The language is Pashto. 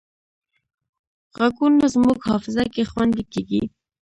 غږونه زموږ حافظه کې خوندي کېږي